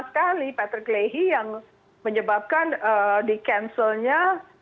sekali patrick leahy yang menyebabkan di cancelnya